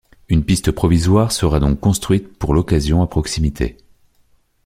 Une piste provisoire sera donc construite pour l'occasion à proximité.